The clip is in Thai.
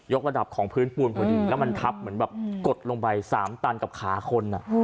กระดับของพื้นปูนพอดีแล้วมันทับเหมือนแบบกดลงไป๓ตันกับขาคน